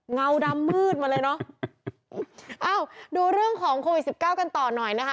เงาดำมืดมาเลยเนอะเอ้าดูเรื่องของโควิดสิบเก้ากันต่อหน่อยนะคะ